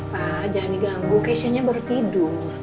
pak jangan diganggu cashonnya baru tidur